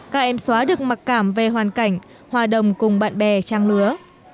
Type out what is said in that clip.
các em xóa được mặc cảm về hoàn cảnh hòa đồng cùng bạn bè trang lứa